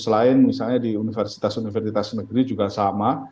selain misalnya di universitas universitas negeri juga sama